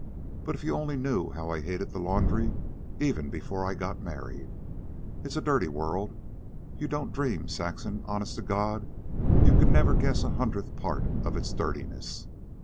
But if you only knew how I hated the laundry even before I got married. It's a dirty world. You don't dream. Saxon, honest to God, you could never guess a hundredth part of its dirtiness.